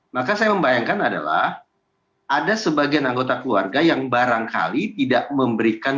maka saya membayangkan adalah ada sebagian anggota keluarga yang barangkali tidak memberikan